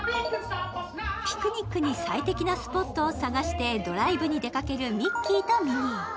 ピクニックに最適なスポットを探してドライブに出かけるミッキーとミニー。